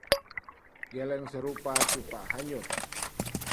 Geleng serupa cupak hanyut